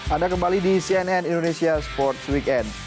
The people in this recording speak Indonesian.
anda kembali di cnn indonesia sports weekend